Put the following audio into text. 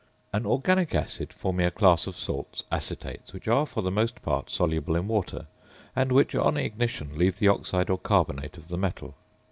An organic acid, forming a class of salts, acetates, which are for the most part soluble in water, and which, on ignition, leave the oxide or carbonate of the metal.